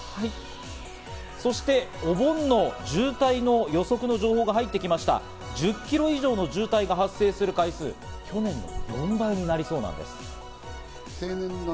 そしてお盆の渋滞の予測の情報が入ってきました、１０キロ以上の渋滞が発生する回数、去年の４倍となりそうなんです。